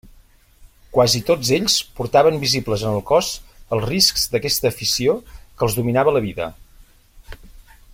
Quasi tots ells portaven visibles en el cos els riscs d'aquesta afició que els dominava la vida.